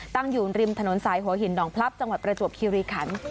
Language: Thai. ตั้งอยู่ริมถนนสายหัวหินหนองพลับจังหวัดประจวบคิริขัน